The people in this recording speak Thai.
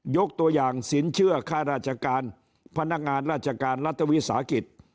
ยกตัวอย่างสินเชื่อค่าราชการพนักงานราชการรัฐวิสาหกิจ